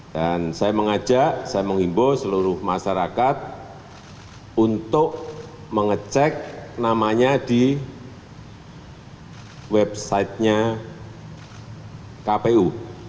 dan saya mengajak saya mengimbo seluruh masyarakat untuk mengecek namanya di website nya kpu